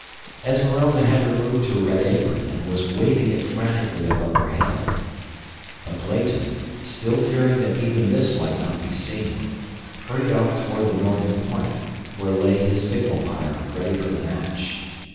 Esmeralda had removed her red apron and was waving it frantically above her head; but Clayton, still fearing that even this might not be seen, hurried off toward the northern point where lay his signal pyre ready for the match.